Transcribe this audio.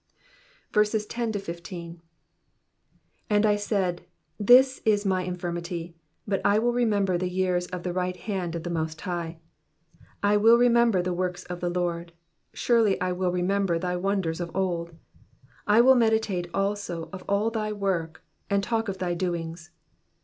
10 And I said, This is my infirmity : but I will rctnember the years of the right hand of the most High. 1 1 I will remember the works of the Lord : surely I will remember thy wonders of old. 12 I will meditate also of all thy work, and talk of thy doings.